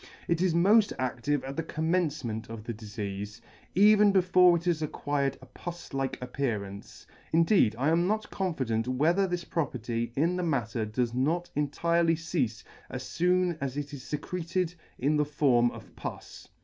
It is mod adtive at the commencement of the difeafe, even before it has acquired a pus like appearance ; indeed I am not confident whether this property in the mat ter does not entirely ceafe as foon as it is fecreted in the form of pus.